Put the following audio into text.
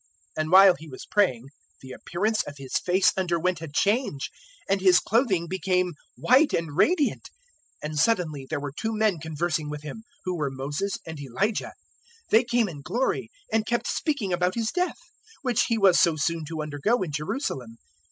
009:029 And while He was praying the appearance of His face underwent a change, and His clothing became white and radiant. 009:030 And suddenly there were two men conversing with Him, who were Moses and Elijah. 009:031 They came in glory, and kept speaking about His death, which He was so soon to undergo in Jerusalem.